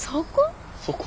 そこ？